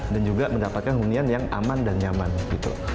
dan juga mendapatkan hunian yang aman dan nyaman gitu